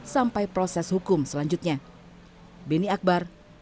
sampai proses hukum selanjutnya